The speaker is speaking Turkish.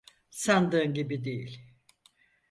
Sandığın gibi değil.